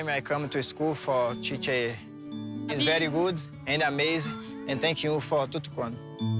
มีความสุขมากและขอบคุณครับทุกคน